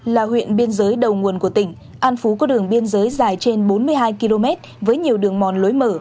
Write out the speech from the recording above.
là huyện biên giới đầu nguồn của tỉnh an phú có đường biên giới dài trên bốn mươi hai km với nhiều đường mòn lối mở